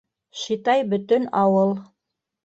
Шитай, бөтөн ауыл...